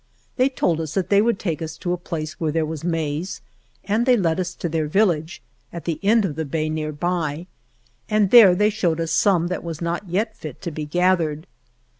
They told us that they would take us to a place where there was maize and they led us to their village, at the end of the bay nearby, and there they showed us some that was not yet fit to be gathered.